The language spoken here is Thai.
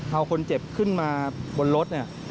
เอาคนเจ็บขึ้นมาบนรถ